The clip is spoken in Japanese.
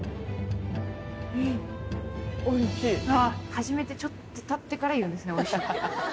始めてちょっとたってから言うんですねおいしいって。